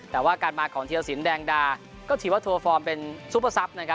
แต่ว่าการมาของธีรสินแดงดาก็ถือว่าทัวร์ฟอร์มเป็นซุปเปอร์ซับ